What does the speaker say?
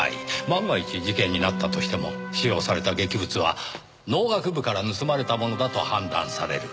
万が一事件になったとしても使用された劇物は農学部から盗まれたものだと判断される。